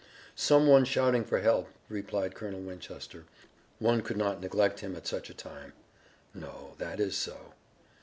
"Some one shouting for help," replied Colonel Winchester. "One could not neglect him at such a time." "No, that is so."